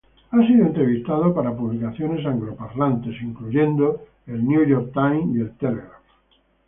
Ha sido entrevistado para publicaciones angloparlantes incluyendo The New York Times y The Telegraph.